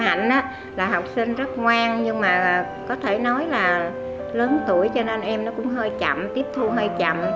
hạnh là học sinh rất ngoan nhưng mà có thể nói là lớn tuổi cho nên em nó cũng hơi chậm tiếp thu hay chậm